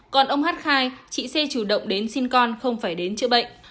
còn ông hát khai chị c chủ động đến sinh con không phải đến chữa bệnh